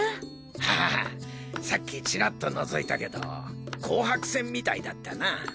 ああさっきチラッと覗いたけど紅白戦みたいだったな。